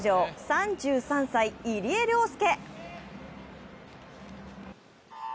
３３歳・入江陵介。